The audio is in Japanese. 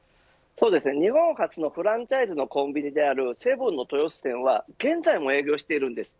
日本初のフランチャイズのコンビニであるセブンの豊洲店は現在も営業しています。